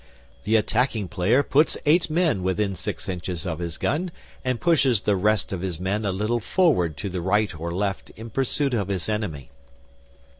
The attacking player puts eight men within six inches of his gun and pushes the rest of his men a little forward to the right or left in pursuit of his enemy.